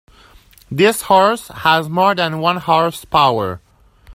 This horse has more than one horse power.